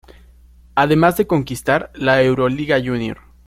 Además de conquistar la Euroliga Junior.